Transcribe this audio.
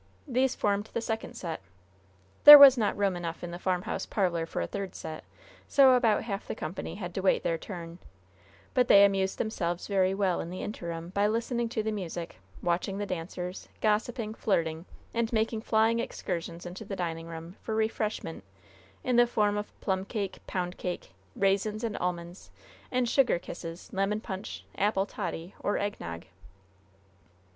These formed the second set. There was not room enough in the farmhouse parlor for a third set, so about half the company had to wait their turn; but they amused themselves very well in the interim by listening to the music, watching the dancers, gossiping, flirting, and making flying excursions into the dining room for refreshment in the form of plum cake, pound cake, raisins and almonds, and sugar kisses, lemon punch, apple toddy, or eggnogg.